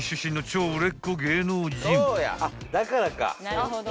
なるほど。